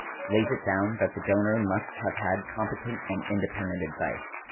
Bates lays it down that the donor must have had competent and independent advice.